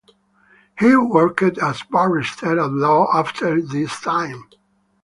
He worked as a barrister-at-law after this time.